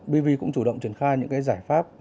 bv cũng chủ động triển khai những cái giải pháp